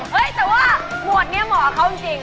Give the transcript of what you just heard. เฮ้ยแต่ว่าหมวดนี้เหมาะกับเขาจริง